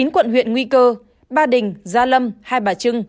chín quận huyện nguy cơ ba đình gia lâm hai bà trưng